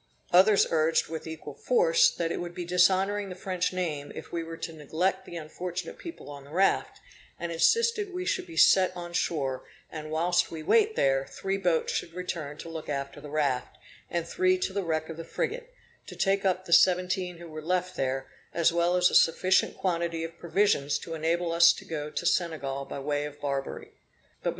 Others urged with equal force, that it would be dishonoring the French name if we were to neglect the unfortunate people on the raft, and insisted we should be set on shore, and whilst we waited there, three boats should return to look after the raft, and three to the wreck of the frigate, to take up the seventeen who were left there, as well as a sufficient quantity of provisions to enable us to go to Senegal by the way of Barbary. But MM.